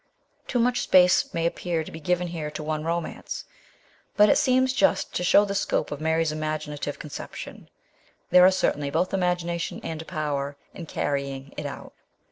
Too much space may appear to be here given to one LITERARY WORK. 203 romance ; but it seems just to show the scope of Mary's imaginative conception. There are certainly both imagination and power in carrying it out.